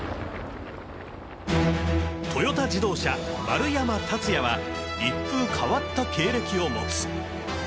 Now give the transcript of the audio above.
トヨタ自動車・丸山竜也は一風変わった経歴を持つ。